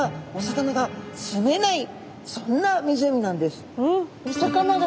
そんな湖なんです。